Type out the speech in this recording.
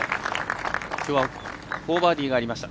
きょうは、４バーディーがありました。